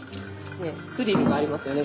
スリルがありますよね